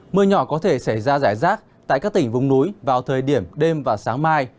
mưa nhỏ có thể xảy ra rải rác tại các tỉnh vùng núi vào thời điểm đêm và sáng mai